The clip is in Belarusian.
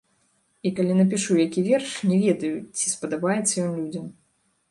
І калі напішу які верш, не ведаю, ці спадабаецца ён людзям.